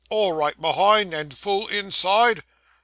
All right behind, and full inside?